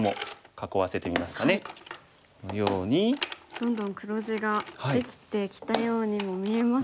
どんどん黒地ができてきたようにも見えますが。